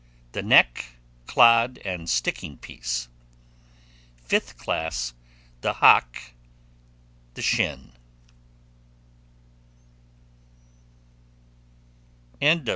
The neck, clod, and sticking piece (14). Fifth class. The hock (6), the shin (15).